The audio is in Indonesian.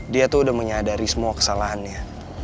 dia tuh udah menyadari semua kesalahannya